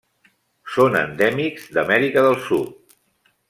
Són endèmics d'Amèrica del Sud.